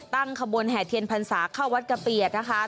ตั้งขบวนแห่เทียนพรรษาเข้าวัดกะเปียดนะคะ